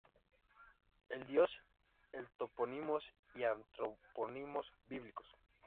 El dios El en topónimos y antropónimos bíblicos.